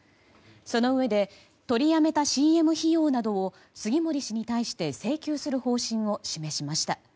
そのうえで取りやめたＣＭ費用などを杉森氏に対して請求する方針を示しました。